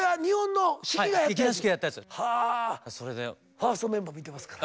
ファーストメンバー見てますから。